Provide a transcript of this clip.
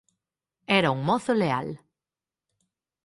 Era un mozo leal.